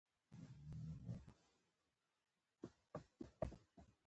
په اصطلاح کې مدیر د ټیم مسؤلیت لري.